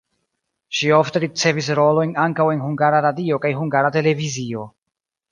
Ŝi ofte ricevis rolojn ankaŭ en Hungara Radio kaj Hungara Televizio.